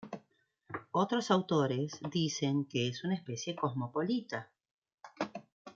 Otros autores dicen que es una especie cosmopolita.